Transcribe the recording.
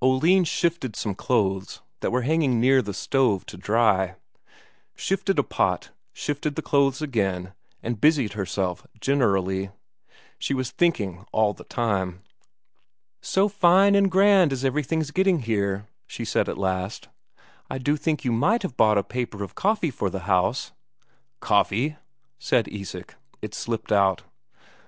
Oline shifted some clothes that were hanging near the stove to dry; shifted a pot, shifted the clothes again, and busied herself generally. She was thinking all the time. "So fine and grand as everything's getting here," she said at last. "I do think you might have bought a paper of coffee for the house." "Coffee?" said Isak. It slipped out.